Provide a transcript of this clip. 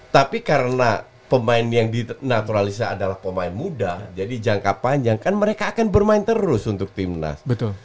tapi karena pemain yang dinaturalisasi adalah pemain muda jadi jangka panjang kan mereka akan bermain terus untuk timnas